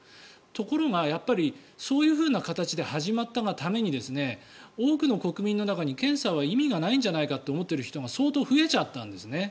ところがやっぱりそういう形で始まったがために多くの国民の中に検査は意味がないんじゃないかと思っている人が相当増えちゃったんですね。